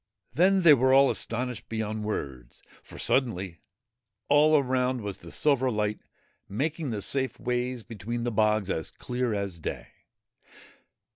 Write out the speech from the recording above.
Then they were all astonished beyond words, for, suddenly, all around was the silver light, making the safe ways between the bogs as clear as day.